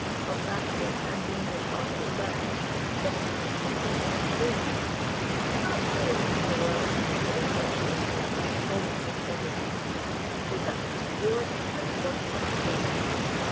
"Of that there can be no possible doubt." "But it must frequently have pained you." "Not the least in the world," the old Doctor assured him, almost with bonhomie. "Besides, you were suffering from sunstroke."